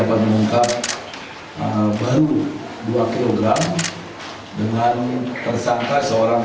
yang kebetulan tidak punya pelawanan sehingga kita berikan pinjakan tegas